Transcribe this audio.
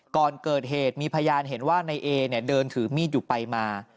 ก่อนเกิดเหตุมีพยานเห็นว่านายเอเนี่ยเดินถือมีดอยู่ไปมา